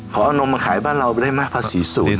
ขอเอานมมาขายบ้านเราได้มั้ยภาษีศูนย์